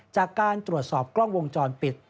จากการตรวจสอบกล้องวงจรปิด